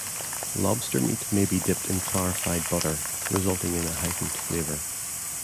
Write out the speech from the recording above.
Lobster meat may be dipped in clarified butter, resulting in a heightened flavour.